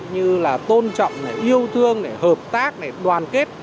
như là tôn trọng yêu thương hợp tác đoàn kết